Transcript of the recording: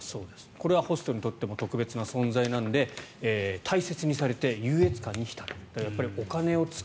これはホストにとっても特別な存在なので大切にされて優越感に浸る。